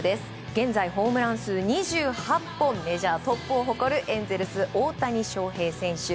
現在、ホームラン数２８本メジャートップを誇るエンゼルス、大谷翔平選手。